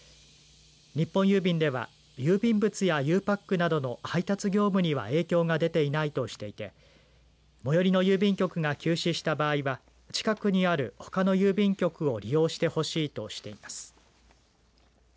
日本郵便では郵便物やゆうパックなどの配達業務には影響が出ていないとしていて最寄りの郵便局が休止した場合は近くにあるほかの郵便局を利用してほしいとしています。